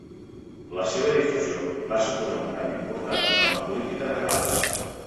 La seva difusió va suposar un canvi important en la política de Gal·les.